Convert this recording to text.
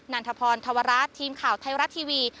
นันทพรธวรรดิ์ทีมข่าวไทยรัตน์ทีวี